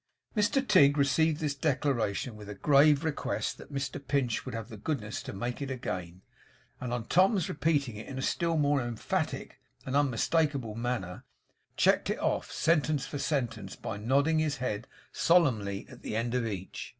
Mr Tigg received this declaration with a grave request that Mr Pinch would have the goodness to make it again; and on Tom's repeating it in a still more emphatic and unmistakable manner, checked it off, sentence for sentence, by nodding his head solemnly at the end of each.